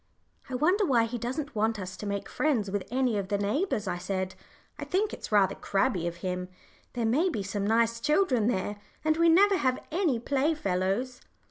"I wonder why he doesn't want us to make friends with any of the neighbours?" I said. "I think it's rather crabby of him. There may be some nice children there, and we never have any playfellows."